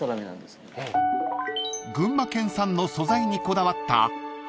［群馬県産の素材にこだわった谷川の雪